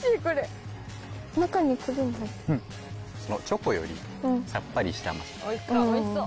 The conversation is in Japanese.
チョコよりさっぱりした甘さ。